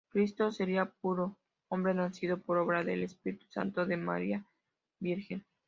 Cristo sería puro hombre, nacido por obra del Espíritu Santo de María Virgen.